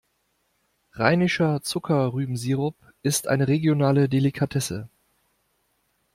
Rheinischer Zuckerrübensirup ist eine regionale Delikatesse.